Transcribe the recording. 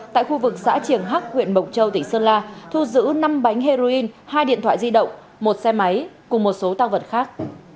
tại khu vực xã triển hác huyện mộc châu tỉnh sơn la thu giữ năm bánh heroin hai điện thoại di động một xe máy cùng một số tăng vật khác